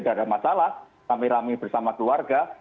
kalau ada masalah kami rame bersama keluarga